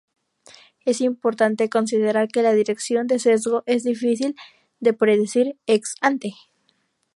Es importante considerar que la dirección del sesgo es difícil de predecir ex-ante.